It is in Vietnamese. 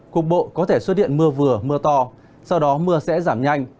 cục bộ có thể xuất hiện mưa vừa mưa to sau đó mưa sẽ giảm nhanh